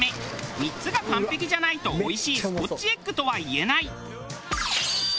３つが完璧じゃないとおいしいスコッチエッグとは言えない。